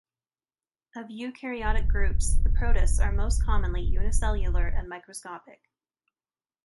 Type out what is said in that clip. Of eukaryotic groups, the protists are most commonly unicellular and microscopic.